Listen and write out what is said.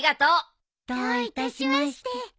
どういたしまして。